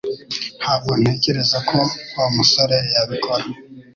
Ntabwo ntekereza ko Wa musore yabikora